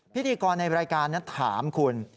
พิธีกรในรายการนั้นถามคุณ